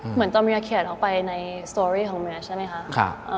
เหมือนต่อเมียเขียนออกไปในสตรอรี่ของเมียใช่ไหมคะ